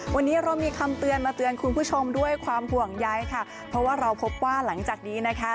วันนี้เรามีคำเตือนมาเตือนคุณผู้ชมด้วยความห่วงใยค่ะเพราะว่าเราพบว่าหลังจากนี้นะคะ